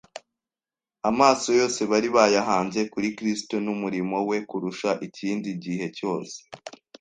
Amaso yose bari bayahanze kuri Kristo n'umurimo we kurusha ikindi gihe cyose